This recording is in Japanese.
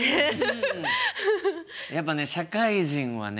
やっぱね社会人はね